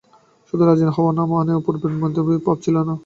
শুধু রাজি হওয়া নহে, তাহার মনের মধ্যে পূর্বের মতো নিরুৎসুক ভাব ছিল না।